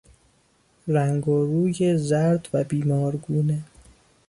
رنگ و روی زرد و بیمارگونه